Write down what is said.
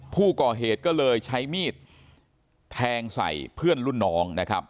ผู้ก่อเหตุก็เลยใช้มีดแทงใส่เพื่อนรุ่นน้องนะครับ